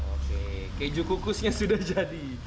oke keju kukusnya sudah jadi